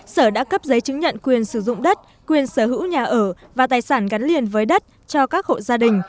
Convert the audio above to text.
sở đã cấp giấy chứng nhận quyền sử dụng đất quyền sở hữu nhà ở và tài sản gắn liền với đất cho các hộ gia đình